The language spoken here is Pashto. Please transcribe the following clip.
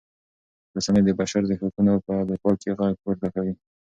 رسنۍ د بشر د حقونو په دفاع کې غږ پورته کوي.